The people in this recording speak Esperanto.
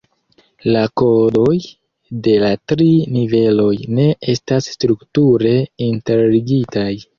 La kodoj de la tri niveloj ne estas strukture interligitaj.